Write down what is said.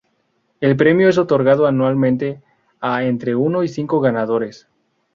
El premio es otorgado anualmente, a entre uno y cinco ganadores.